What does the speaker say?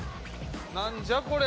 何じゃこれ？